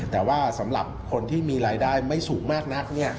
แต่ว่าสำหรับคนที่มีรายได้ไม่สูงมากนัก